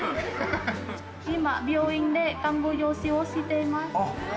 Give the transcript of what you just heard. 今、病院で看護助手をしています。